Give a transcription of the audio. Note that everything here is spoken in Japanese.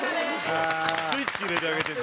スイッチ入れてあげてる。